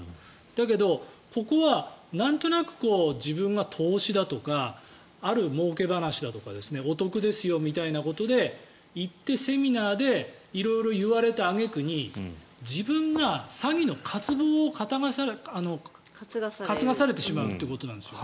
だけど、ここはなんとなく自分が投資だとかあるもうけ話だとかお得ですよみたいなことで行ってセミナーで色々言われた揚げ句に自分が詐欺の片棒を担がされてしまうということなんですよ。